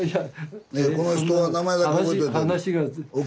この人は名前だけ覚えといておこう。